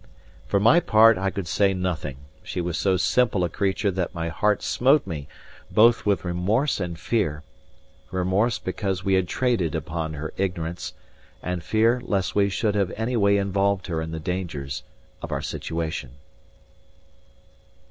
For my part, I could say nothing, she was so simple a creature that my heart smote me both with remorse and fear: remorse because we had traded upon her ignorance; and fear lest we should have anyway involved her in the dangers of our situation.